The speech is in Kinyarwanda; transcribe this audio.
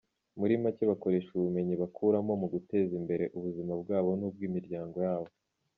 Muri make bakoresha ubumenyi bakuramo mu guteza imbere ubuzima bwabo n’ubw’imiryango yabo.